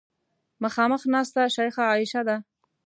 مخامخ ناسته شیخه عایشه ده.